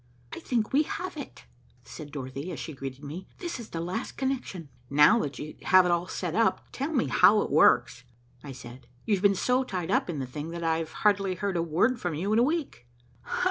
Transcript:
"We think we have it," said Dorothy, as she greeted me. "This is the last connection." "Now that you have it all set up, tell me how it works," I said. "You've been so tied up in the thing, that I've hardly heard a word from you in a week."